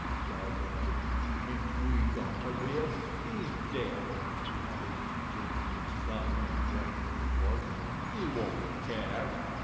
growled Wilson. "Ain't we gotta live? He's dead," he added, jerking his thumb in the direction of the corpse. "He won't care."